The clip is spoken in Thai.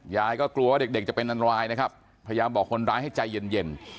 ยายก็กลัวว่าเด็กจะเป็นอันตรายนะครับพยายามบอกคนร้ายให้ใจเย็น